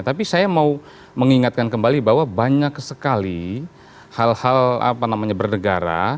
tapi saya mau mengingatkan kembali bahwa banyak sekali hal hal bernegara